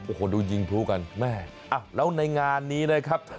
โอ้โหดูยิงพลุกันแม่แล้วในงานนี้นะครับ